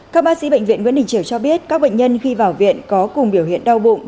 các bác sĩ bệnh viện nguyễn đình triều cho biết các bệnh nhân khi vào viện có cùng biểu hiện đau bụng